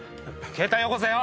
携帯よこせよ。